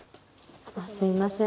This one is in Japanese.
あっすいません。